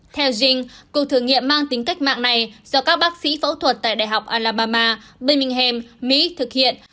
theo jing cuộc thử nghiệm mang tính cách mạng này do các bác sĩ phẫu thuật tại đại học alabama beming ham mỹ thực hiện